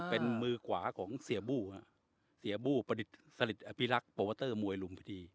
เป็นมือขวาของเสียบู้ฮะเสียบู้ประดิษฐ์สลิดอภิรักษ์โปรเตอร์มวยลุมพิธี